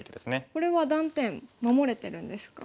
これは断点守れてるんですか？